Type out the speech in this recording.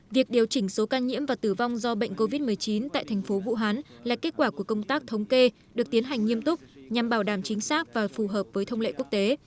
việc điều chỉnh số ca nhiễm và tử vong do bệnh covid một mươi chín tại thành phố vũ hán là kết quả của công tác thống kê được tiến hành nghiêm túc nhằm bảo đảm chính xác và phù hợp với thông lệ quốc tế